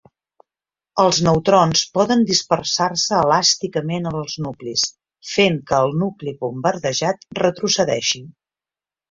Els neutrons poden dispersar-se elàsticament en els nuclis, fent que el nucli bombardejat retrocedeixi.